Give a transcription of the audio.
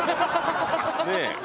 ねえ。